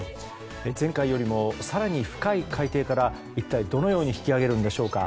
前回よりも更に深い海底から一体どのように引き揚げるんでしょうか。